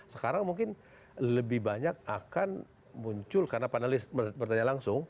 sekarang mungkin lebih banyak akan muncul karena panelis bertanya langsung